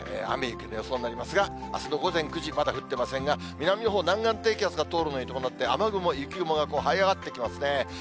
雨、雪の予想になりますが、あすの午前９時、まだ降ってませんが、南のほう、南岸低気圧が通るのに伴って、雨雲、雪雲がはい上がってきますね。